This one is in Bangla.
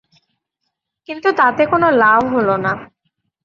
কিন্তু তাতে কোনো লাভ হলো না।